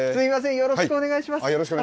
よろしくお願いします。